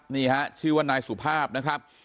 นี่ฮะชื่อว่านายสุภาพนะครับ